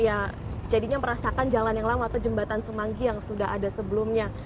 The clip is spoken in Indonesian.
ya jadinya merasakan jalan yang lama atau jembatan semanggi yang sudah ada sebelumnya